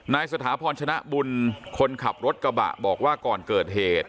สถาพรชนะบุญคนขับรถกระบะบอกว่าก่อนเกิดเหตุ